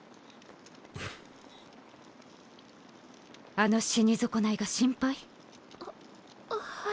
あの死に損ないが心配？ははい。